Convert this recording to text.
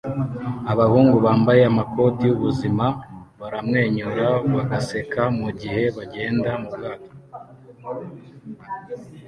Abahungu bambaye amakoti yubuzima baramwenyura bagaseka mugihe bagenda mubwato